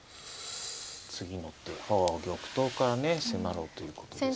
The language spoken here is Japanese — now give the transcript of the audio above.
次の手ああ玉頭からね迫ろうということですか。